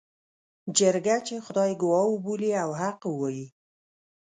جرګه چې خدای ګواه وبولي او حق ووايي.